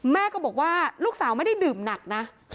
แม่ก็บอกว่าลูกสาวไม่ได้ดื่มหนักนะ